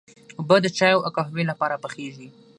اوبه د چايو او قهوې لپاره پخېږي.